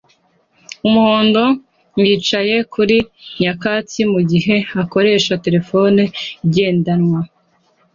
umuhondo yicaye kuri nyakatsi mugihe akoresha terefone igendanwa